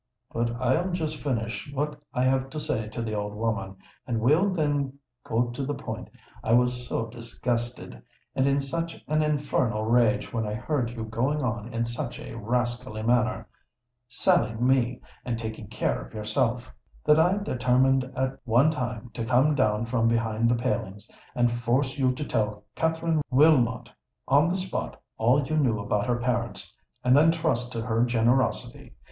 "But I'll just finish what I have to say to the old woman; and we'll then go to the point. I was so disgusted, and in such an infernal rage, when I heard you going on in such a rascally manner,—selling me, and taking care of yourself,—that I determined at one time to come down from behind the palings, and force you to tell Katherine Wilmot on the spot all you knew about her parents, and then trust to her generosity.